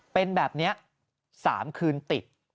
เป็นแบบนี้๓คืนติด